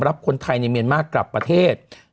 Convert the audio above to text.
รับคนไทยในเมียนมาร์กลับประเทศ